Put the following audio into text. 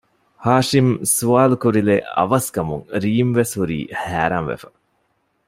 ހާޝިމް ސްވާލުކުރިލެއް އަވަސް ކަމުން ރީމްވެސް ހުރީ ހައިރާންވެފަ